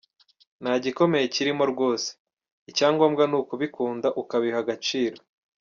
Nta gikomeye kirimo rwose, icya ngombwa ni ukubikunda ukabiha agaciro.